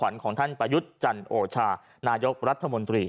นี่นี่นี่นี่นี่นี่